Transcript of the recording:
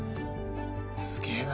すげえな。